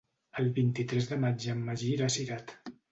El vint-i-tres de maig en Magí irà a Cirat.